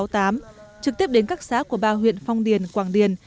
trực tiếp đến các xã của ba huyện phong điền quảng điền